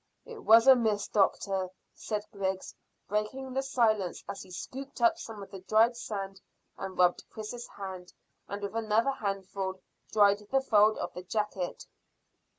"It was a miss, doctor," said Griggs, breaking the silence, as he scooped up some of the dried sand and rubbed Chris's hand, and with another handful dried the fold of the jacket.